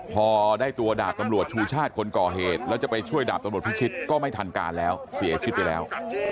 พอได้ตัวดาบตำรวจชูชาติคนก่อเหตุแล้วจะไปช่วยดาบตำรวจพิชิตก็ไม่ทันการแล้วเสียชีวิตไปแล้ว